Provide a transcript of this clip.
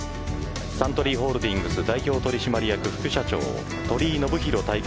サントリーホールディングス代表取締役社長鳥井信宏大会